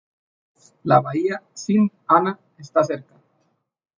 La Bahía Sint Anna está cerca.